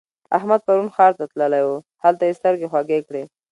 احمد پرون ښار ته تللی وو؛ هلته يې سترګې خوږې کړې.